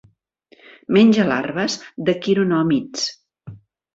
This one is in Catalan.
Menja larves de quironòmids.